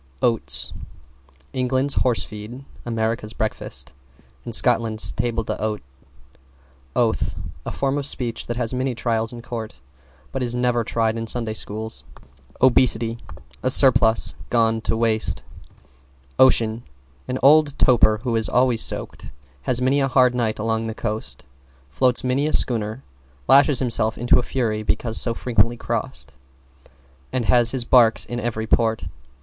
=OATS= England's horse feed, America's breakfast and Scotland's table d'hote. =OATH= A form of speech that has many trials in court, but is never tried in Sunday School. =OBESITY= A surplus gone to waist. =OCEAN= An old toper who is always soaked, has many a hard night along the coast, floats many a schooner, lashes himself into a fury because so frequently crossed, and has his barks in every port.